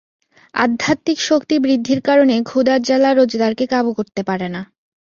আধ্যাত্মিক শক্তি বৃদ্ধির কারণে ক্ষুধার জ্বালা রোজাদারকে কাবু করতে পারে না।